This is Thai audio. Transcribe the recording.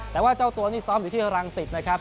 แต่ว่าเจ้าตัวนี่ซ้อมอยู่ที่รังสิตนะครับ